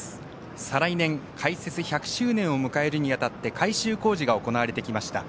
再来年、開設１００周年を迎えるにあたって改修工事が行われてきました。